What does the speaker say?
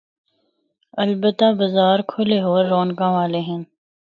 البتہ بازار کھلے ہور رونقاں والے ہن۔